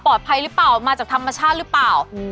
หรือเปล่ามาจากธรรมชาติหรือเปล่า